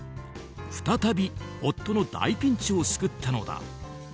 再び夫の大ピンチを救ったのだ。